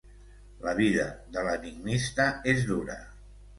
La vida de l'enigmista és dura.